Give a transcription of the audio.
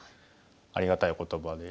ありがたいお言葉で。